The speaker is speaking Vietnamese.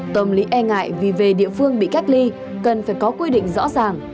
tâm lý e ngại vì về địa phương bị cách ly cần phải có quy định rõ ràng